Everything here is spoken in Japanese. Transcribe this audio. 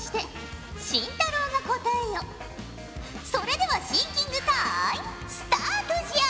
それではシンキングタイムスタートじゃ。